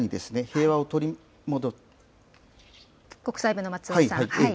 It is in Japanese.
国際部の松尾さん。